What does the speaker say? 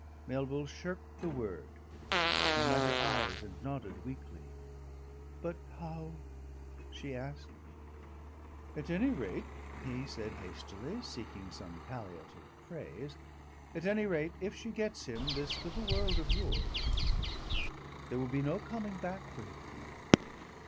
Melville shirked the word. He met her eyes and nodded weakly. "But how ?" she asked. "At any rate" he said hastily, seeking some palliative phrase "at any rate, if she gets him, this little world of yours There will be no coming back for him, you know."